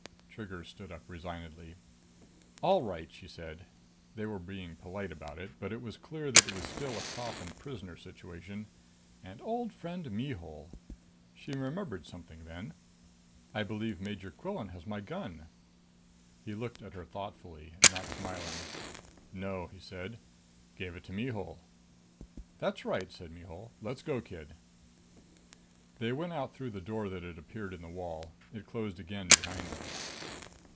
Trigger stood up resignedly. "All right," she said. They were being polite about it, but it was clear that it was still a cop and prisoner situation. And old friend Mihul! She remembered something then. "I believe Major Quillan has my gun." He looked at her thoughtfully, not smiling. "No," he said. "Gave it to Mihul." "That's right," said Mihul. "Let's go, kid." They went out through the door that had appeared in the wall. It closed again behind them.